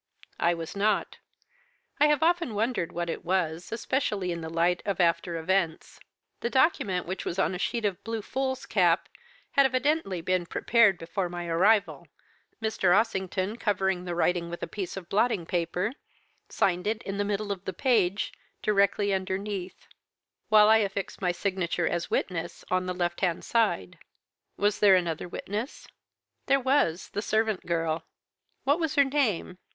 "'I was not. I have often wondered what it was, especially in the light of after events. The document, which was on a sheet of blue foolscap, had evidently been prepared before my arrival: Mr. Ossington, covering the writing with a piece of blotting paper, signed it, in the middle of the page, directly underneath, while I affixed my signature, as witness, on the left hand side.' "'Was there another witness?' "'There was, the servant girl.' "'What was her name?'